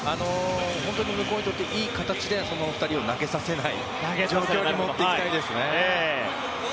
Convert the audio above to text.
向こうにとっていい形でその２人に投げさせない状況に持っていきたいですね。